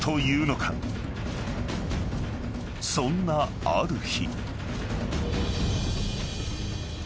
［そんなある日］